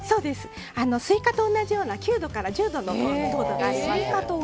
スイカと同じくらいの９度から１０度の糖度があります。